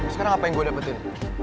sekarang apa yang gue dapetin